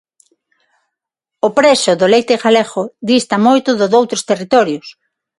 O prezo do leite galego dista moito do doutros territorios.